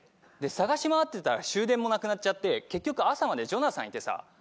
捜し回ってたら終電もなくなっちゃって結局朝までジョナサンいてさ。